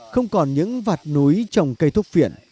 không còn những vạt núi trồng cây thuốc phiện